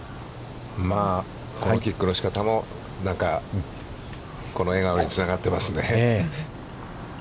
このキックの仕方もなんかこの笑顔につながってますね。